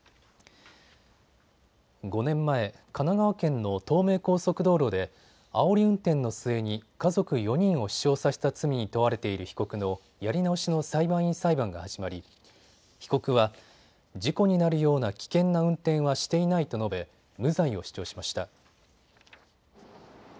５年前、神奈川県の東名高速道路であおり運転の末に家族４人を死傷させた罪に問われている被告のやり直しの裁判員裁判が始まり被告は、事故になるような危険な運転はしていないと述べ無罪を主張しました。